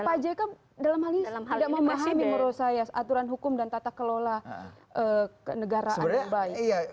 pak jk dalam hal ini tidak memahami menurut saya aturan hukum dan tata kelola kenegaraan yang baik